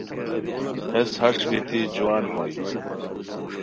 ہیس ہݰ بییتی جوان ہوئے